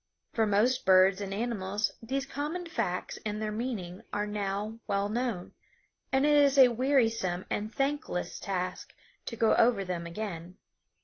For most birds and animals these common facts and their meaning are now well known, and it is a wearisome and thankless task to go over them again.